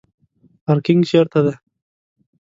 پارکینګ چیرته دی؟